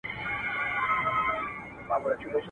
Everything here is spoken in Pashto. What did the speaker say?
زه چي هر قدم ایږدمه هر ګړی دي یادومه.